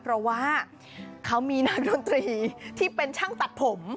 เพราะว่าเขามีนักดนตรีที่เป็นช่างตัดผม